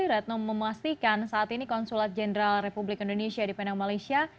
retno memastikan saat ini konsulat jenderal republik indonesia di penang malaysia